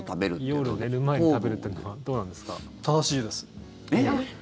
夜、寝る前に食べるっていうのは正しいです。